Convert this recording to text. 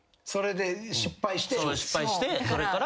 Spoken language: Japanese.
その失敗してそれから。